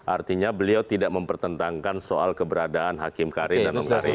artinya beliau tidak mempertentangkan soal keberadaan hakim karin dan om karin